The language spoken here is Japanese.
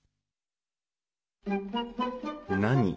何？